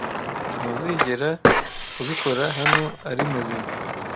Ntuzigera ubikora hano ari muzima.